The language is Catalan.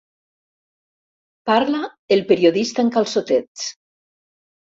Parla el periodista en calçotets.